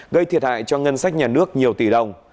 gây thiệt hại cho ngân sách nhà nước nhiều tỷ đồng